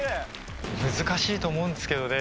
難しいと思うんですけどね